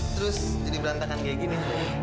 terus jadi berantakan kayak gini